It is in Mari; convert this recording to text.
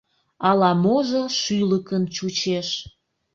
Ала-можо шӱлыкын чучеш.